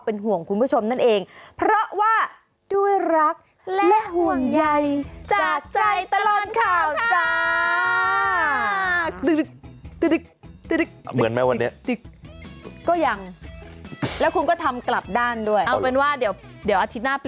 เป็นห่วงคุณผู้ชมนั่นเองเพราะว่าด้วยรักและห่วงใยจาก